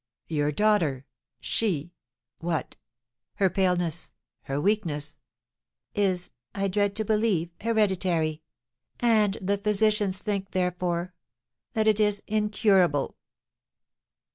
"Your daughter! She! What? Her paleness her weakness " "Is, I dread to believe, hereditary; and the physicians think, therefore, that it is incurable."